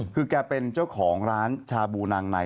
คือแกเป็นเจ้าของร้านชาบูนางใน